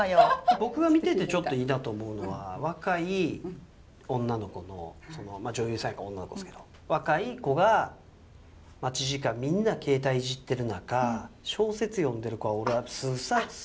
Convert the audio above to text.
僕が見ててちょっといいなと思うのは若い女の子のまあ女優さんやから女の子ですけど若い子が待ち時間みんな携帯いじってる中小説読んでる子は俺はすさまじくいいと思う。